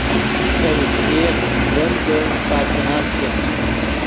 سے ایشچیغ گیل دے تا چے نخچے